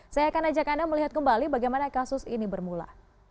saya akan ajak anda melihat kembali bagaimana kasus ini bermula